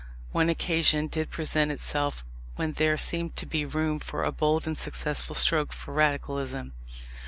One occasion did present itself when there seemed to be room for a bold and successful stroke for Radicalism.